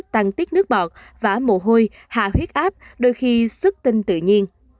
tăng tiết nước bọt và mồ hôi hạ huyết áp đôi khi sức tinh tự nhiên